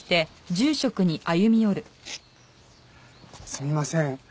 すみません。